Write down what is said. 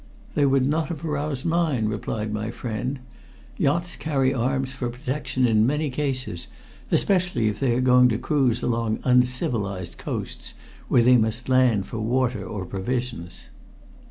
"They would not have aroused mine," replied my friend. "Yachts carry arms for protection in many cases, especially if they are going to cruise along uncivilized coasts where they must land for water or provisions."